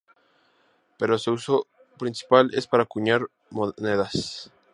Pero su uso principal es para acuñar monedas.